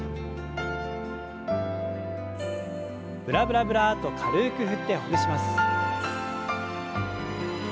ブラブラブラッと軽く振ってほぐします。